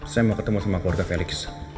saya mau ketemu sama keluarga felix